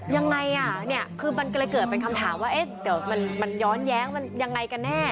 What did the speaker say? ยังไงอ่ะเนี่ยคือมันก็เลยเกิดเป็นคำถามว่าเอ๊ะเดี๋ยวมันย้อนแย้งมันยังไงกันแน่